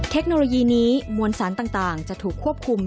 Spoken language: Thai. เทคโนโลยีนี้มวลสารต่างจะถูกควบคุม